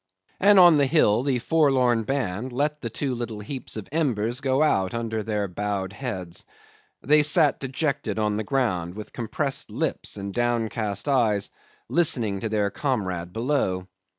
'And on the hill the forlorn band let the two little heaps of embers go out under their bowed heads. They sat dejected on the ground with compressed lips and downcast eyes, listening to their comrade below.